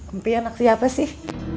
empi anak siapa sih